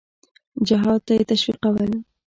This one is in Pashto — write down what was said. جهاد ته یې تشویقول.